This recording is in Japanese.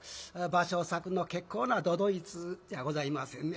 芭蕉作の結構な都々逸じゃございませんね